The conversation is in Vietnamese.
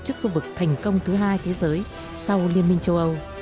chức khu vực thành công thứ hai thế giới sau liên minh châu âu